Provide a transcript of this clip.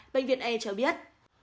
bệnh viện e cho biết